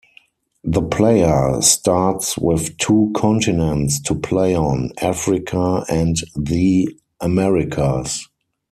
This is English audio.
The player starts with two continents to play on, Africa and the Americas.